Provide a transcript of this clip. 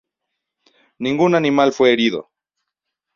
Ningún animal fue herido.